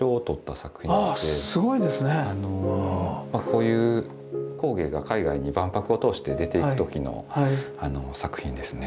こういう工芸が海外に万博を通して出ていく時の作品ですね。